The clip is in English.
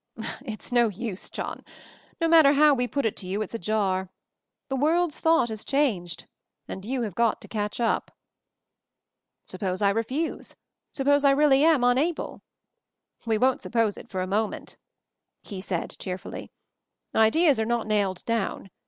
"It's no use, John; no matter how we put it to you it's a jar. The world's thought has changed — and you have got to catch up !" "Suppose I refuse? Suppose I really am unable?" "We won't suppose it for a moment," he said cheerfully. "Ideas are not nailed down.